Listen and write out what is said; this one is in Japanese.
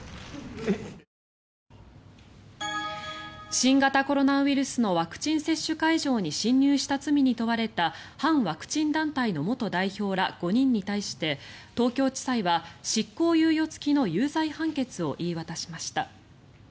新型コロナウイルスのワクチン接種会場に侵入した罪に問われた反ワクチン団体の元代表ら５人に対して東京地裁は執行猶予付きの有罪判決を言い渡しました。